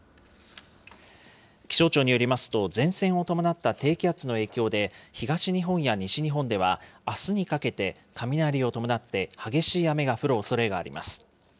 気象庁によりますと、前線を伴った低気圧の影響で、東日本や西日本では、あすにかけて雷を伴って、激しい雨が降るおそれがあります。